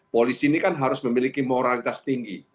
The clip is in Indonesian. polisi ini kan harus memiliki moralitas tinggi